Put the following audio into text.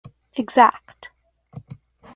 Exact.